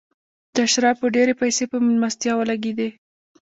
د اشرافو ډېرې پیسې په مېلمستیاوو لګېدې.